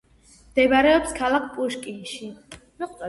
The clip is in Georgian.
მდებარეობს ქალაქ პუშკინში.